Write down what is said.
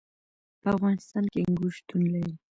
په افغانستان کې انګور شتون لري.